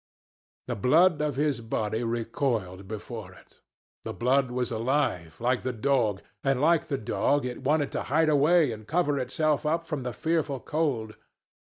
The blood of his body recoiled before it. The blood was alive, like the dog, and like the dog it wanted to hide away and cover itself up from the fearful cold.